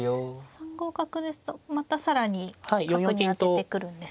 ３五角ですとまた更に角に当ててくるんですか。